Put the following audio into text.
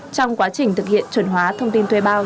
trong quá trình thực hiện chuẩn hóa thông tin thuê bao